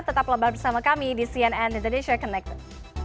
tetap lebar bersama kami di cnn indonesia connected